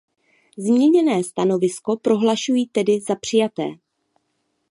Změněné stanovisko prohlašuji tedy za přijaté.